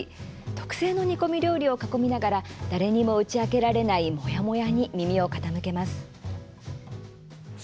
特製の煮込み料理を囲みながら誰にも打ち明けられないモヤモヤに耳を傾けます。